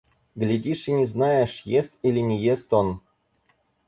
Глядишь и не знаешь: ест или не ест он.